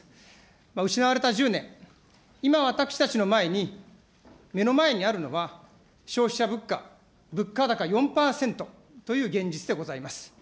失われた１０年、今、私たちの前に、目の前にあるのは、消費者物価、物価高４％という現実でございます。